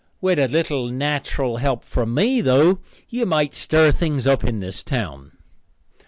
With a little natural help from me though, you might stir things up in this town."